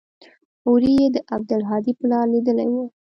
هورې يې د عبدالهادي پلار ليدلى و.